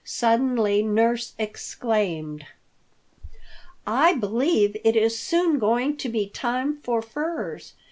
Suddenly nurse exclaimed, "I believe it is soon going to be time for furs.